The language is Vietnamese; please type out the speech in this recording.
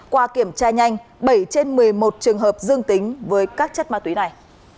qua kiểm tra nhanh bảy trên một mươi một trường hợp dương tính với các chất ma túy này